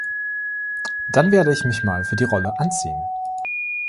Dann werde ich mich mal für die Rolle anziehen.